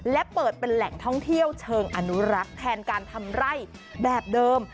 และเปิดเป็นแหล่งท่องเที่ยวเชิงอนุรักษ์แทนการทำไร่แบบเดิม